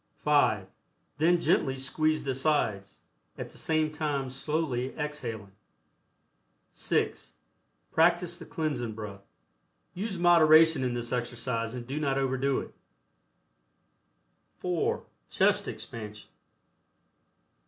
(5) Then gently squeeze the sides, at the same time slowly exhaling. (6) Practice the cleansing breath. Use moderation in this exercise and do not overdo its (4) CHEST EXPANSION.